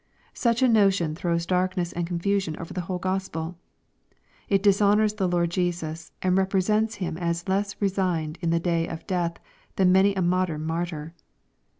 Such a notion throws darkness and confusion over the whole Gospel. It dis ( honors the Lord Jesus, and represents Him as less re signed in the day of death than many a modern mar tyr.